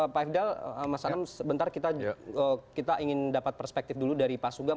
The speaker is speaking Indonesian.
pak ifdal mas anam sebentar kita ingin dapat perspektif dulu dari pak sugeng